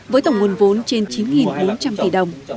với tổng nguồn vốn trên chín bốn trăm linh tỷ đồng